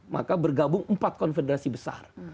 maka bergabung empat konfederasi besar